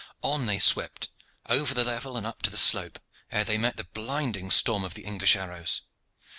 On they swept over the level and up to the slope, ere they met the blinding storm of the English arrows.